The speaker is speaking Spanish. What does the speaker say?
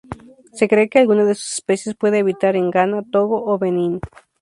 Se cree que alguna de sus especies puede habitar en Ghana, Togo o Benín.